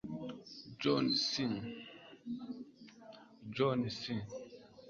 john c